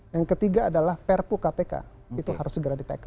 yang ketiga adalah perpu kpk itu harus segera ditekan